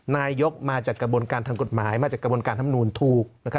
นายกมาจากกระบวนการทางกฎหมายมาจากกระบวนการธรรมนูนถูก